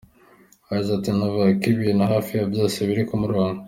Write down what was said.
Yagize ati “Navuga ko ibintu hafi ya byose biri ku murongo.